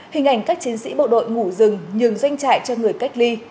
hình ảnh các chiến sĩ bộ đội ngủ rừng nhường doanh trại cho người cách ly